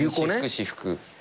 私服。